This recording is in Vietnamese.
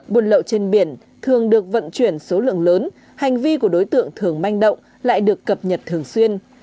buôn lậu trên biển thường được vận chuyển số lượng lớn hành vi của đối tượng thường manh động lại được cập nhật thường xuyên